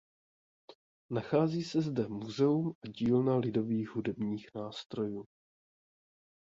Nachází se zde "Muzeum a dílna lidových hudebních nástrojů".